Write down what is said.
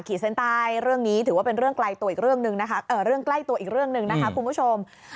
ขีดเส้นใต้เรื่องนี้ถือว่าเป็นเรื่องใกล้ตัวอีกเรื่องนึงนะคะคุณผู้ชม